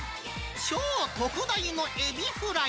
超特大のえびフライ。